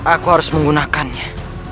aku harus menggunakannya